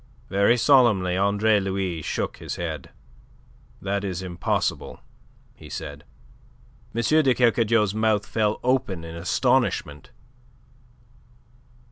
Very solemnly Andre Louis shook his head. "That is impossible," he said. M. de Kercadiou's mouth fell open in astonishment.